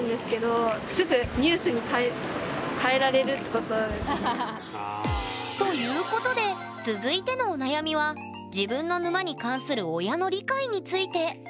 結構あります。ということで続いてのお悩みは自分の沼に関する親の理解について。